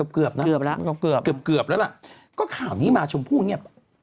เกือบแล้วเกือบแล้วล่ะก็ข่าวนี้มาชมพูนี่